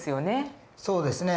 そうですね